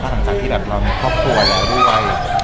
หลังจากที่แบบเรามีครอบครัวเราด้วย